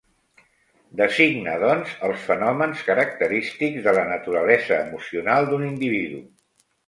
Designa, doncs, els fenòmens característics de la naturalesa emocional d'un individu.